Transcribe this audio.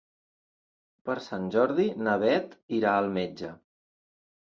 Per Sant Jordi na Beth irà al metge.